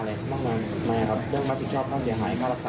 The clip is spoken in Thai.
เหตุการณ์แบบนี้คงไม่เกิดขึ้นใครอีกนะ